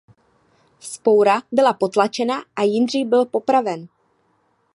Vzpoura byla potlačena a Jindřich byl popraven.